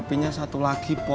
kopinya satu lagi pok